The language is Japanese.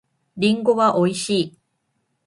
りんごは美味しい。